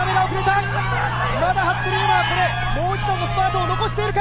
まだ服部勇馬はもう一段のスパートを残しているか。